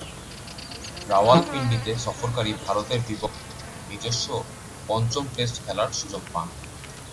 রাওয়ালপিন্ডিতে সফরকারী ভারতের বিপক্ষে নিজস্ব পঞ্চম টেস্ট খেলার সুযোগ পান।